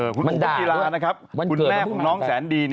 บ๊วยยูธีอีราคุณแม่ของน้องแสนดี